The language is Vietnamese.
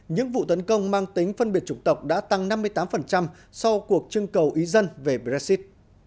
những vụ tấn công mang tính phân biệt chủng tộc đã tăng năm mươi tám sau cuộc trưng cầu ý dân về brexit